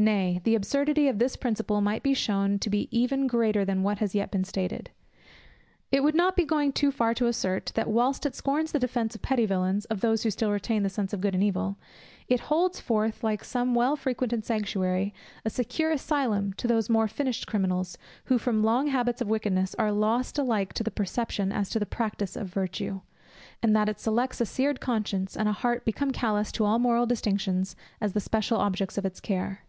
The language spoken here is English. Nay, the absurdity of this principle might be shewn to be even greater than what has yet been stated. It would not be going too far to assert, that whilst it scorns the defence of petty villains, of those who still retain the sense of good and evil, it holds forth, like some well frequented sanctuary, a secure asylum to those more finished criminals, who, from long habits of wickedness, are lost alike to the perception as to the practice of virtue; and that it selects a seared conscience and a heart become callous to all moral distinctions as the special objects of its care.